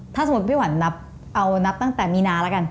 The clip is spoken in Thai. ถ้าสมมุติพี่หวันนับเอานับตั้งแต่มีนาแล้วกัน